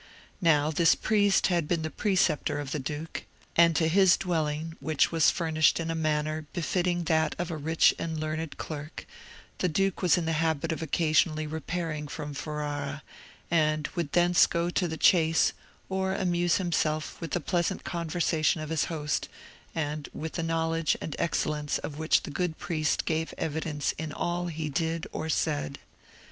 Now this priest had been the preceptor of the duke; and to his dwelling, which was furnished in a manner befitting that of a rich and learned clerk, the duke was in the habit of occasionally repairing from Ferrara, and would thence go to the chase, or amuse himself with the pleasant conversation of his host, and with the knowledge and excellence of which the good priest gave evidence in all he did or said.